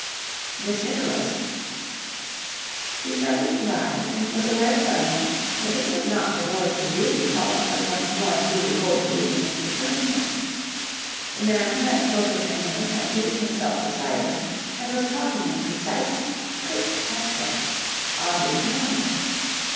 "Miss Nicholas." She started to rise, and was aware suddenly that this was not the voice of duty calling her once more through the gold teeth of Mr. Schoenstein. The man who had spoken her name had seated himself beside her, and was talking in precise, clipped accents, oddly familiar.